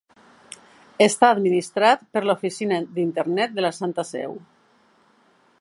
Està administrat per l'Oficina d'Internet de la Santa Seu.